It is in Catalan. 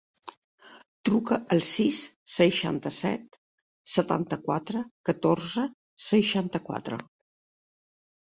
Truca al sis, seixanta-set, setanta-quatre, catorze, seixanta-quatre.